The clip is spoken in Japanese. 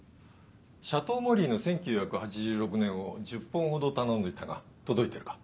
シャトーモリーの１９８６年を１０本ほど頼んどいたが届いてるか？